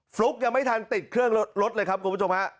ฟลุกยังไม่ทันติดเครื่องรถเลยครับคุณผู้ชมฮะ